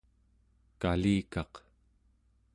kalikaq